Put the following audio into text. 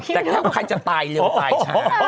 แต่ถ้าใครจะตายเร็วตายช้า